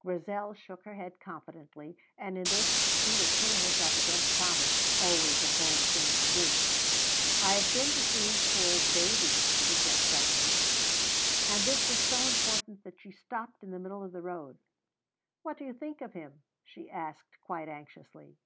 Grizel shook her head confidently, and in this she was pitting herself against Tommy, always a bold thing to do. "I have been to see Corp's baby," he said suddenly; and this was so important that she stopped in the middle of the road. "What do you think of him?" she asked, quite anxiously.